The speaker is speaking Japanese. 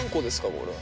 これは。